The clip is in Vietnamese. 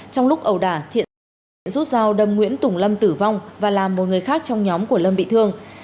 trong lúc ẩu đả thiện rút dao đâm nguyễn tùng lâm tử vong và làm một người khác trong nhóm của lâm bị thương